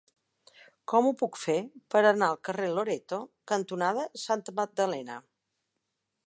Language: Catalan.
Com ho puc fer per anar al carrer Loreto cantonada Santa Magdalena?